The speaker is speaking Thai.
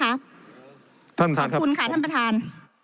ขอบคุณค่ะท่านประธาน